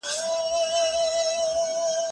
کېدای سي کتابونه ستړي وي!؟